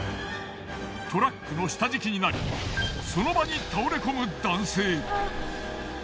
トラックの下敷きになりその場に倒れ込む男性。